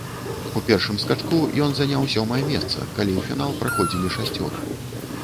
У першым скачку ён заняў сёмае месца, калі ў фінал праходзілі шасцёра.